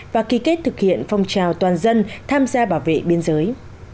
và ký kết thực hiện phong trào toàn dân tham gia bảo vệ biên giới